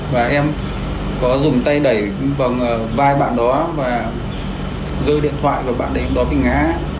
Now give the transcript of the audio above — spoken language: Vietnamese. và em có dùng tay đẩy vào vai bạn đó và rơi điện thoại và bạn đấy lúc đó bị ngã